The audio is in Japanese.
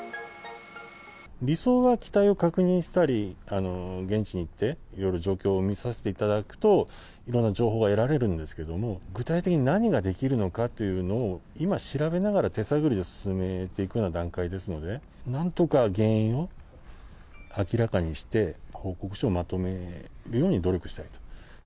理想は機体を確認したり、現地に行っていろいろ状況を見させていただくと、いろんな情報が得られるんですけれども、具体的に何ができるのかというのを、今、調べながら手探りで進めていくような段階ですのでね、なんとか原因を明らかにして、報告書をまとめるように努力したいと。